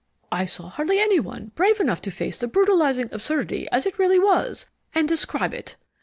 I saw hardly any one brave enough to face the brutalizing absurdity as it really was, and describe it.